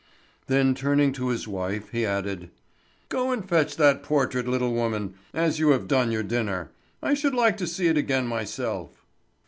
Then turning to his wife he added: "Go and fetch that portrait, little woman, as you have done your dinner. I should like to see it again myself."